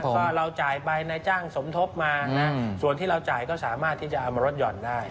ก็เราจ่ายไปนายจ้างสมทบมานะส่วนที่เราจ่ายก็สามารถที่จะเอามาลดหย่อนได้